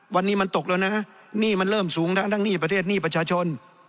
วันนี้มันตกแล้วนะหนี้มันเริ่มสูงทั้งหนี้ประเทศหนี้ประชาชน